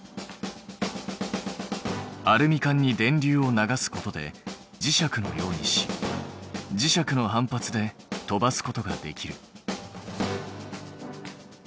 アルミ缶に電流を流すことで磁石のようにし磁石の反発で飛ばすことができる。